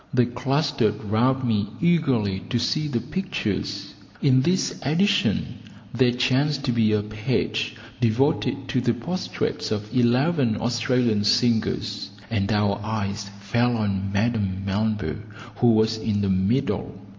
They clustered round me eagerly to see the pictures. In this edition there chanced to be a page devoted to the portraits of eleven Australian singers, and our eyes fell on Madame Melba, who was in the middle.